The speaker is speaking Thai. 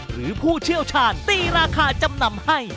ผู้เชี่ยวชาญตีราคาจำนำให้